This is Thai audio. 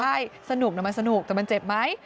ใช่สนุกนะมันสนุกแต่มันเจ็บไหม